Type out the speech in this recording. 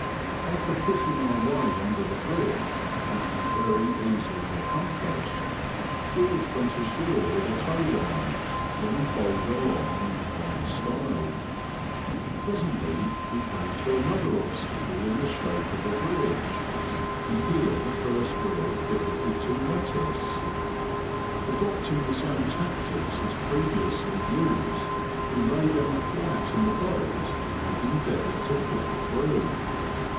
After pushing our way under the bridge, which was very easily accomplished, George went ashore with a tow line, and We bowled along in fine style. Presently we came to another obstacle in the shape of a bridge, and here the first real Digitized by VjOOQIC UP THE MUCK FLEET TO FILBT, BOLLESBYi IND OBMESBT. 137 difficulty met us. Adopting the same tactics as previously used, we lay down flat in the boat and endeavoured to puU through.